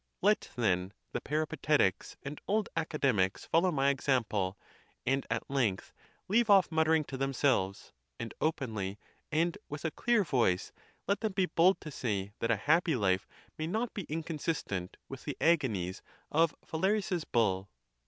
Let, then, the Peripa tetics and Old Academics follow my example, and at length leave off muttering to themselves; and openly and with a clear voice let them be bold to say that a happy life may not be inconsistent with the agonies of Phalaris's bull.